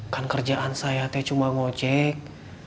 kan kerjaan saya teh cuma ngecek